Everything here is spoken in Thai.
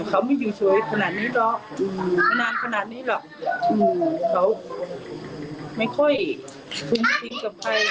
เขาไม่อยู่สวยขนาดนี้หรอกนานขนาดนี้หรอกเขาไม่ค่อยคุ้มคิงกับใคร